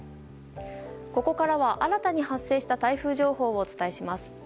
ここからは新たに発生した台風情報をお伝えします。